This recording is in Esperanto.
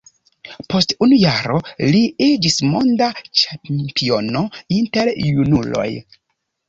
Post unu jaro li iĝis monda ĉampiono inter junuloj.